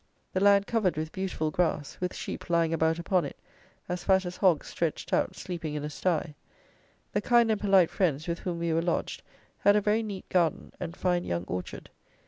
The land covered with beautiful grass, with sheep lying about upon it, as fat as hogs stretched out sleeping in a stye. The kind and polite friends, with whom we were lodged, had a very neat garden, and fine young orchard.